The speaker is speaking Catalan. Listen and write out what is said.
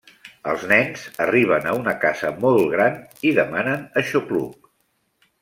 Els nens arriben a una casa molt gran i demanen aixopluc.